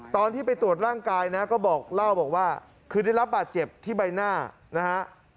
ตอนที่ไปตรวจร่างกายนะก็บอกเล่าบอกว่าคือได้รับบาดเจ็บที่ใบหน้านะฮะ